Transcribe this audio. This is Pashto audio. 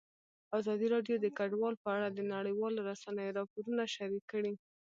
ازادي راډیو د کډوال په اړه د نړیوالو رسنیو راپورونه شریک کړي.